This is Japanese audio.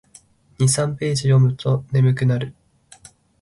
二三ページ読むと眠くなる